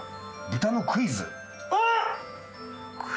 豚のクイズ？